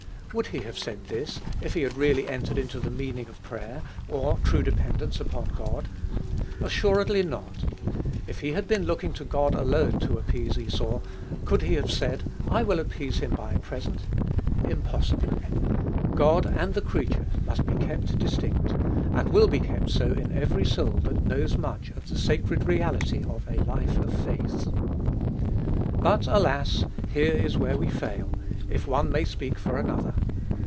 Would he have said this if he had really entered into the meaning of prayer, or true dependence upon God? Assuredly not. If he had been looking to God alone to appease Esau, could he have said, "I will appease him by a present?" Impossible: God and the creature must be kept distinct, and will be kept so in every soul that knows much of the sacred reality of a life of faith. But, alas! here is where we fail, if one may speak for another.